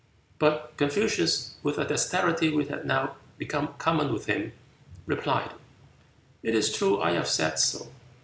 But Confucius, with a dexterity which had now become common with him, replied: "It is true I have said so.